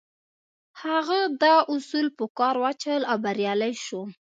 هغه دا اصول په کار واچول او بريالی شو.